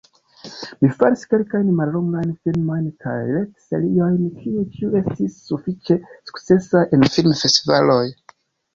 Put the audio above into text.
Mi faris kelkajn mallongajn filmojn kaj retseriojn, kiuj ĉiuj estis sufiĉe sukcesaj en filmfestivaloj.